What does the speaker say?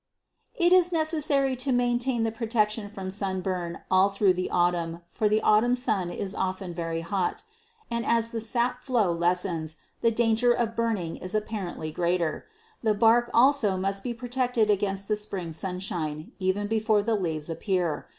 It is necessary to maintain the protection from sunburn all through the autumn, for the autumn sun is often very hot, and as the sap flow lessens, the danger of burning is apparently greater. The bark also must be protected against the spring sunshine, even before the leaves appear.